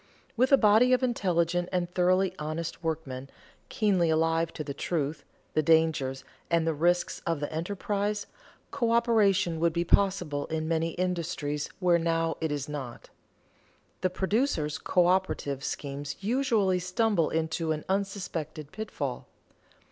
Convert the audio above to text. With a body of intelligent and thoroughly honest workmen, keenly alive to the truth, the dangers, and the risks of the enterprise, coöperation would be possible in many industries where now it is not. The producers' coöperative schemes usually stumble into an unsuspected pitfall.